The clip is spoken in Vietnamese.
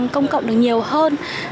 công cộng được nhiều hơn